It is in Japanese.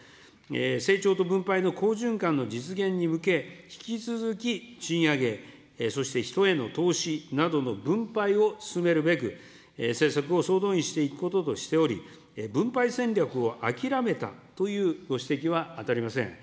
成長と分配の好循環の実現に向け、引き続き賃上げ、そして人への投資などの分配を進めるべく、政策を総動員していくこととしており、分配戦略を諦めたというご指摘は当たりません。